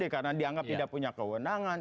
karena dianggap tidak punya kewenangan